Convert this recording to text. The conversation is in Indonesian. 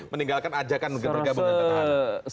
meninggalkan ajakan bergabung dengan peta ana